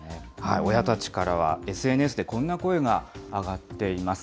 親たちからはＳＮＳで、こんな声が上がっています。